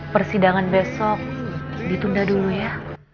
persidangan besok ditunda dulu ya